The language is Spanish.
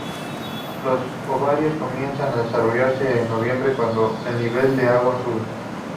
Los ovarios comienzan a desarrollarse en noviembre cuando el nivel del agua sube.